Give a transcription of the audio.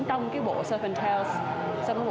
trong cái bộ surfing tales